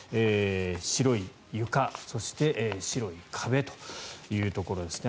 白い床、そして白い壁というところですね。